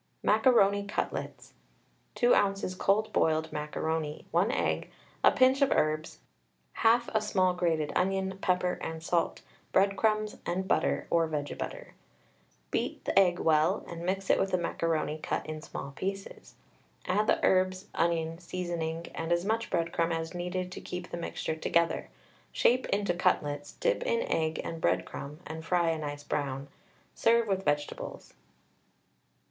MACARONI CUTLETS. 2 oz. cold boiled macaroni, 1 egg, a pinch of herbs, halt a small grated onion, pepper and salt, breadcrumbs, and butter, or vege butter. Beat the egg well, and mix it with the macaroni cut in small pieces. Add the herbs, onion, seasoning, and as much breadcrumb as needed to keep the mixture together. Shape into cutlets, dip in egg and breadcrumb, and fry a nice brown. Serve with vegetables.